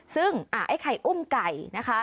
ซึ่งไอ้ไข่อุ้มไก่นะคะ